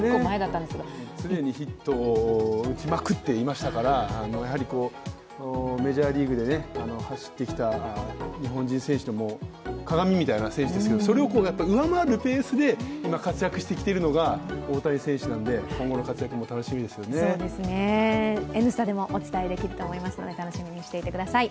常にヒットを打ちまくっていましたからやはりメジャーリーグで走ってきた日本人選手の鑑みたいな選手ですけどそれを上回るペースで今、活躍してきているのが大谷選手なんで「Ｎスタ」でもお伝えできると思うので楽しみにしていてください。